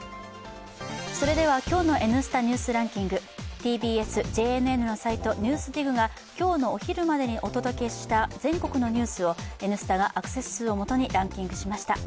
それでは今日の「Ｎスタ・ニュースランキング」、ＴＢＳ・ＪＮＮのサイト「ＮＥＷＳＤＩＧ」が今日のお昼までにお届けした全国のニュースを「Ｎスタ」がアクセス数をもとにランキングしました。